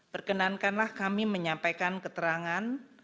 perkenankanlah kami menyampaikan keterangan